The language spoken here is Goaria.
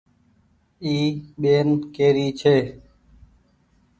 اي ٻين ڪي ري ڇي ۔